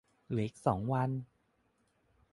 เหลืออีกสองวัน